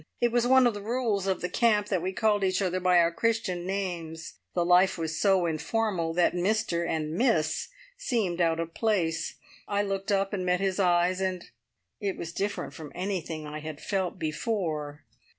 It was one of the rules of the camp that we called each other by our Christian names. The life was so informal that `Mr' and `Miss' seemed out of place. I looked up and met his eyes, and it was different from anything I had felt before.